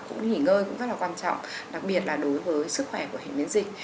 cũng nghỉ ngơi cũng rất là quan trọng đặc biệt là đối với sức khỏe của hình biến dịch